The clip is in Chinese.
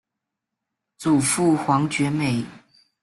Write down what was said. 祖父黄厥美。